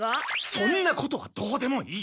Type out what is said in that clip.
そんなことはどうでもいい。